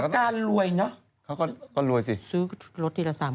เสกหายแล้วใช่ไหมการไปไหนล่ะการ